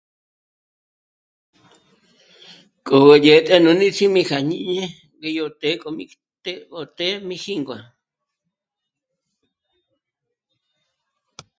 K'o ñêtjeme nú níts'im'i kja jñini ngé yó të́'ë kjo mìjté gó tè'e mí jíngua